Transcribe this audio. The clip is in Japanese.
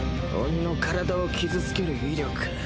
鬼の体を傷つける威力